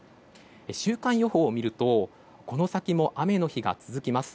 週間予報を見るとこの先も雨の日が続きます。